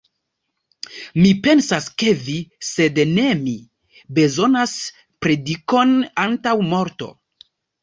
Mi pensas, ke vi, sed ne mi, bezonas predikon antaŭ morto.